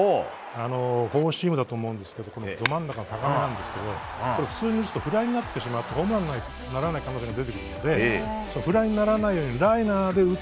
フォーシームだと思うんですけどど真ん中の高めなんですけど普通に打つとフライになるんですけどホームランにはならない可能性が出てくるのでフライにならないようにライナーで打つ